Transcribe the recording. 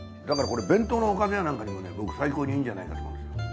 だからこれ弁当のおかずやなんかにもね最高にいいんじゃないかと。